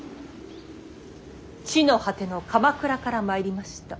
地の果ての鎌倉から参りました。